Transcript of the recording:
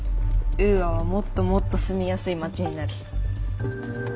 ウーアはもっともっと住みやすい街になる。